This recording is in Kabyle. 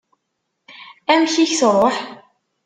Amek i k-truḥ?